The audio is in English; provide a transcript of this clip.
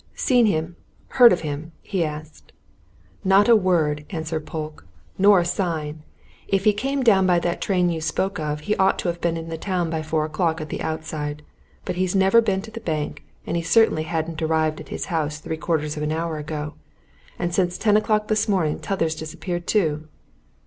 "Seen him? heard of him?" he asked. "Not a word!" answered Polke. "Nor a sign! If he came down by that train you spoke of, he ought to have been in the town by four o'clock at the outside. But he's never been to the bank, and he certainly hadn't arrived at his house three quarters of an hour ago. And since ten o'clock this morning t'other's disappeared, too!"